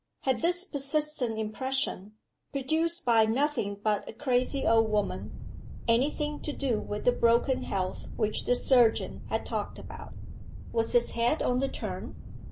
Had this persistent impression, produced by nothing but a crazy old woman, any thing to do with the broken health which the surgeon had talked about? Was his head on the turn?